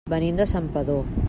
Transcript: Venim de Santpedor.